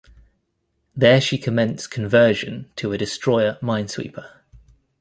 There she commenced conversion to a destroyer-minesweeper.